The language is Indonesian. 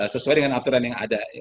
sesuai dengan aturan yang ada